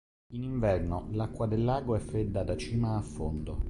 In inverno, l'acqua del lago è fredda da cima a fondo.